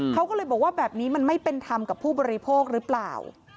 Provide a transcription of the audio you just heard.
เขาก็เลยบอกว่าแบบนี้มันไม่เป็นธรรมกับผู้บริโภคหรือเปล่า